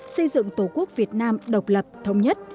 xây dựng tổ quốc việt nam độc lập thống nhất